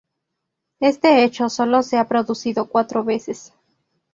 Este hecho solo se ha producido cuatros veces.